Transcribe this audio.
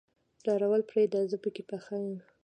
ډارول پرېده زه پکې پخه يم.